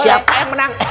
siapa yang menang